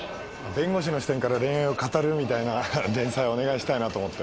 弁護士の視点から恋愛を語るみたいな連載をお願いしたいなと思って。